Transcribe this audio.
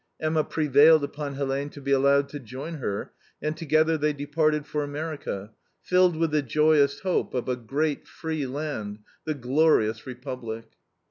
Emma prevailed upon Helene to be allowed to join her, and together they departed for America, filled with the joyous hope of a great, free land, the glorious Republic.